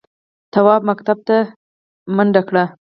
تواب مکتب ته منډه کړه.